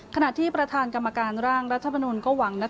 ขณะที่ประธานกรรมการร่างรัฐมนุนก็หวัง